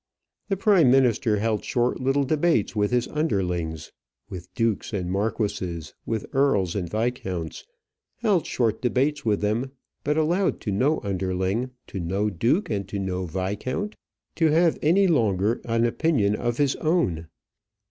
The prime minister held short little debates with his underlings with dukes and marquises, with earls and viscounts; held short debates with them, but allowed to no underling to no duke, and to no viscount to have any longer an opinion of his own.